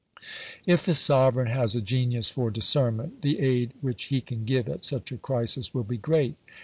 If the sovereign has a genius for discernment, the aid which he can give at such a crisis will be great.